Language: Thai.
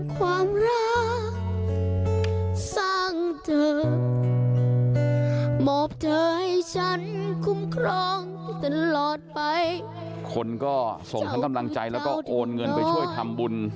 คนก็ส่งชั้นทำลังใจแล้วก็โอนเงินไปช่วยทำบุญ